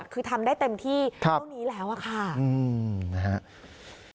คือทำได้เต็มที่เท่านี้แล้วค่ะอืมนะฮะครับ